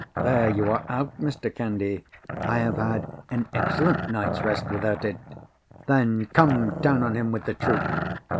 '—'There you are out, Mr. Candy: I have had an excellent night's rest without it.' Then, come down on him with the truth!